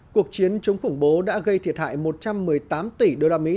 cuộc chiến chống khủng bố đã gây thiệt hại một trăm một mươi tám tỷ usd